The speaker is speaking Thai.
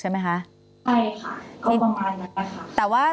ใช่ค่ะก็ประมาณนั้นค่ะ